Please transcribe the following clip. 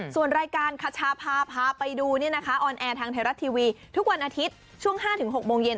ส่วนรายการคชาพาพาไปดูออนแอร์ทางไทยรัฐทีวีทุกวันอาทิตย์ช่วง๕๖โมงเย็น